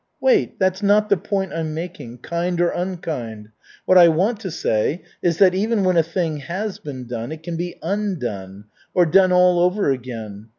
"Wait. That's not the point I'm making kind or unkind what I want to say is that even when a thing has been done, it can be undone, or done all over again.